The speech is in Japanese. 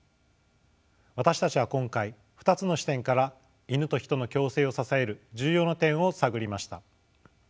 私たちは今回２つの視点からイヌとヒトの共生を支える重要な点を探りました。